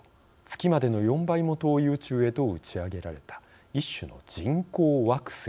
月までの４倍も遠い宇宙へと打ち上げられた一種の人工惑星です。